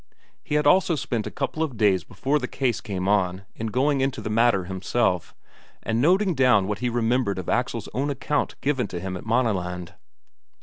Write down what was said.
He had also spent a couple of days before the case came on in going into the matter himself, and noting down what he remembered of Axel's own account given him at Maaneland.